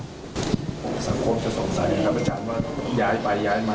สังคมจะสงสัยแล้วจะจับว่าย้ายไปย้ายมา